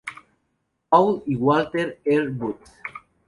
Paul y Walter R. Booth.